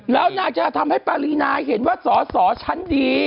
แล้วน่าจะทำให้บรรยนายเห็นว่าส่อฉันดี